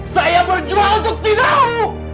saya berjuang untuk cidau